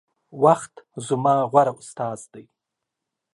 وخت زما غوره استاذ دے